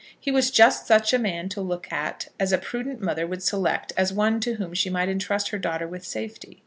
He was just such a man to look at as a prudent mother would select as one to whom she might entrust her daughter with safety.